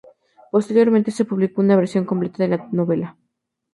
Posteriormente se publicó una versión completa de la novela.